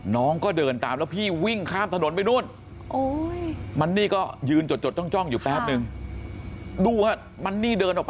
น้องก็เดินตามแล้วพี่วิ่งข้ามถนนไปนู่น